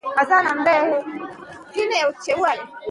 هغه کتاب چې ما لوستی و ډېر معلومات یې لرل.